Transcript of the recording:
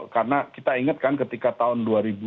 karena kita ingat kan ketika tahun dua ribu empat belas misalnya